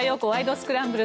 スクランブル」。